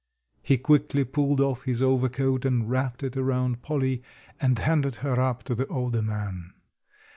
He quickly pulled off his overcoat and wrapped it around Polly, and handed her up to the older man.